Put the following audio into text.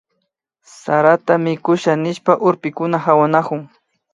Sarata mikusha nishpa urpikuna pawanakun